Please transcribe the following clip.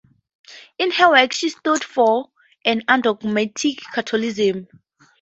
In her work she stood for an undogmatic Catholicism.